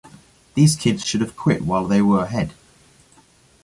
These kids should have quit while they were ahead.